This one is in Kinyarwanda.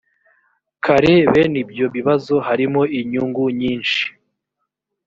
kare bene ibyo bibazo harimo inyungu nyinshi